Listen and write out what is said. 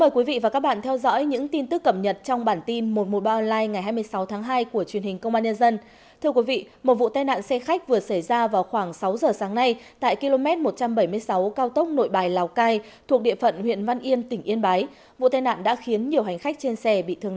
các bạn hãy đăng ký kênh để ủng hộ kênh của chúng mình nhé